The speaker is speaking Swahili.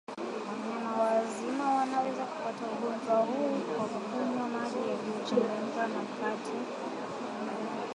Wanyama wazima wanaweza kupata ugonjwa huu kwa kunywa maji yaliyochanganyika na mate ya mnyama